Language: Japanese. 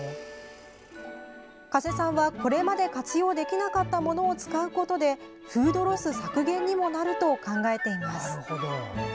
加瀬さんはこれまで活用できなかったものを使うことでフードロス削減にもなると考えています。